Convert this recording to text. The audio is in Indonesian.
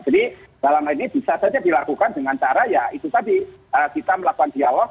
jadi dalam hal ini bisa saja dilakukan dengan cara ya itu tadi kita melakukan dialog